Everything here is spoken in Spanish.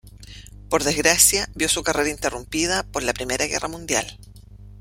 Por desgracia vio su carrera interrumpida por la Primera Guerra Mundial.